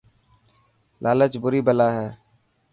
لالچ بري بلا هي.